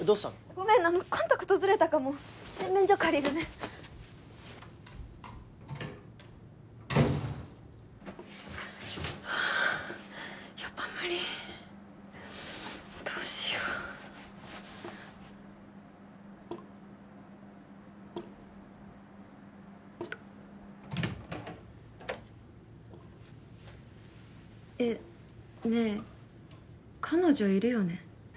ごめんコンタクトずれたかも洗面所借りるねやっぱ無理どうしようえっねぇ彼女いるよね？